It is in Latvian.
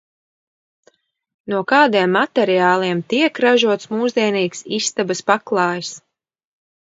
No kādiem materiāliem tiek ražots mūsdienīgs istabas paklājs?